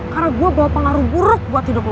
karna gue bawa pengaruh buruk buat hidup lo